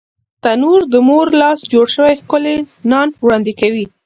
تنور د مور لاس جوړ شوی ښکلی نان وړاندې کوي